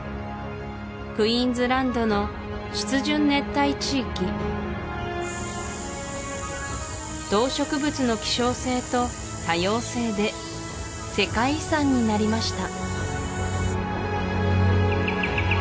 クイーンズランドの湿潤熱帯地域動植物の希少性と多様性で世界遺産になりました